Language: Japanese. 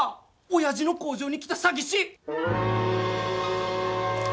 親父の工場に来た詐欺師。